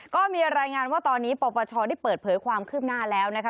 ก็มีรายงานว่าตอนนี้ปปชได้เปิดเผยความคืบหน้าแล้วนะคะ